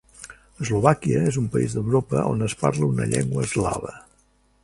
Eslovàquia és un país d'Europa on es parla una llengua eslava.